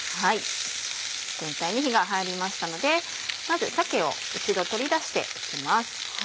全体に火が入りましたのでまず鮭を一度取り出して行きます。